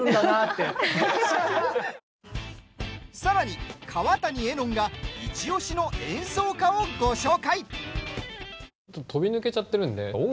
さらに、川谷絵音がいちおしの演奏家をご紹介。